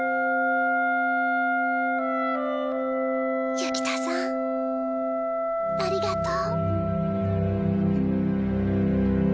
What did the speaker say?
ユキ太さんありがとう。